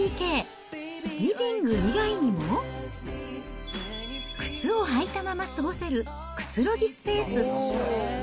リビング以外にも、靴を履いたまま過ごせる、くつろぎスペース。